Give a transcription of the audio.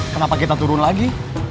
kenapa kita turun lagi